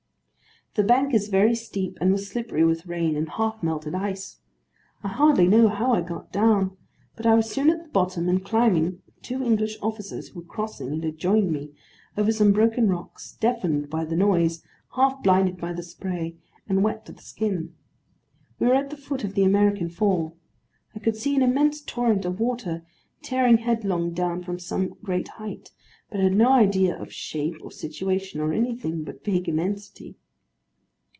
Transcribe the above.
The bank is very steep, and was slippery with rain, and half melted ice. I hardly know how I got down, but I was soon at the bottom, and climbing, with two English officers who were crossing and had joined me, over some broken rocks, deafened by the noise, half blinded by the spray, and wet to the skin. We were at the foot of the American Fall. I could see an immense torrent of water tearing headlong down from some great height, but had no idea of shape, or situation, or anything but vague immensity.